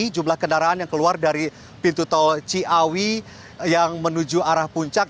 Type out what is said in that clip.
jumlah kendaraan yang keluar dari pintu tol ciawi yang menuju arah puncak